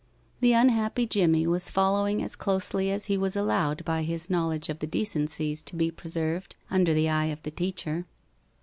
The unhappy Jimmie was following as closely as he was allowed by his knowledge of the decencies to be preserved under the eye of the teacher.